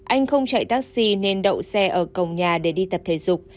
anh không chạy taxi nên đậu xe ở cổng nhà để đi tập thể dục